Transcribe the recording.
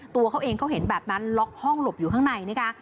ตัวเขาเองเขาเห็นแบบนั้นล็อกห้องหลบอยู่ข้างในนะคะ